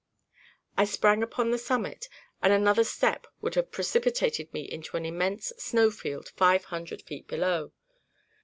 I sprang upon the summit, and another step would have precipitated me into an immense snow field five hundred feet below.